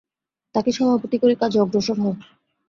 তাঁকে সভাপতি করে কাজে অগ্রসর হও।